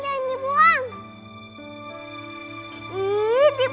jangan dibuang aja